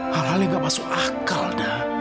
hal hal yang gak masuk akal dah